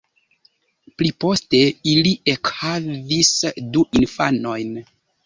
Pliposte ili ekhavis du infanojn.